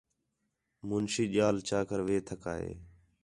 منشی ڄال چا کر وِہ ٹھکا ہِے